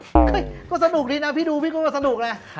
เฮ้ยก็สนุกดีนะพี่ดูพี่ก็สนุกเลย